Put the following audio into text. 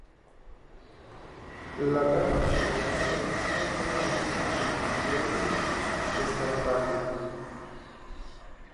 La rama que gobernó la isla fue conocida como Querini-Estampalia.